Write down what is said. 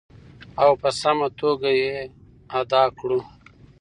او په سمه توګه یې ادا کړو.